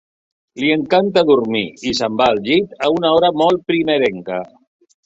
Li encanta dormir i se'n va al llit a una hora molt primerenca.